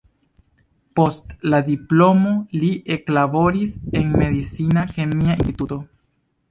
Post la diplomo li eklaboris en medicina-kemia instituto.